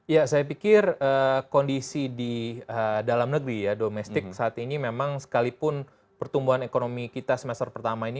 ya saya pikir kondisi di dalam negeri ya domestik saat ini memang sekalipun pertumbuhan ekonomi kita semester pertama ini